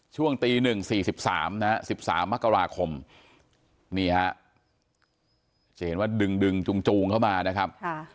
ช่วงตีหนึ่ง๑๓มกราคมจะเห็นว่าดึงดึงจูงเข้ามานะครับ